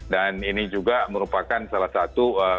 dan ini juga merupakan salah satu